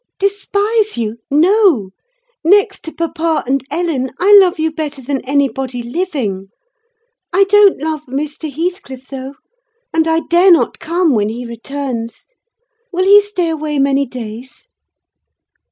"Despise you? No! Next to papa and Ellen, I love you better than anybody living. I don't love Mr. Heathcliff, though; and I dare not come when he returns: will he stay away many days?"